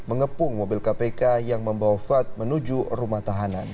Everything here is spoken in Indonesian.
mengepung mobil kpk yang membawa fad menuju rumah tahanan